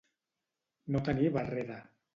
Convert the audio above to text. No tenir barrera.